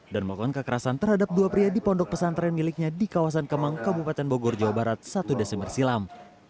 melakukan kekerasan terhadap dua pria di pondok pesantren miliknya di kawasan kemang kabupaten bogor jawa barat satu desember silam